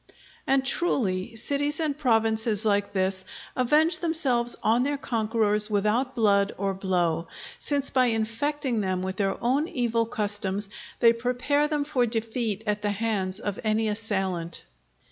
And, truly, cities and provinces like this, avenge themselves on their conquerors without blood or blow; since by infecting them with their own evil customs they prepare them for defeat at the hands of any assailant.